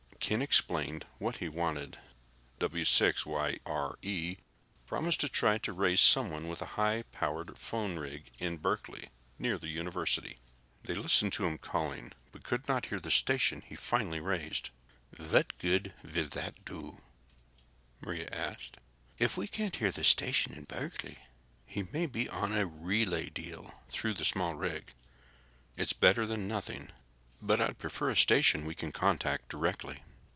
Ken explained what he wanted. W6YRE promised to try to raise someone with a high powered phone rig in Berkeley, near the university. They listened to him calling, but could not hear the station he finally raised. "What good will that do?" Maria asked. "If we can't hear the station in Berkeley...." "He may be working on a relay deal through the small rig. It's better than nothing, but I'd prefer a station we can contact directly."